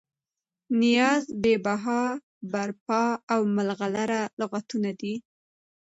نیاز، بې بها، برپا او ملغلره لغتونه دي.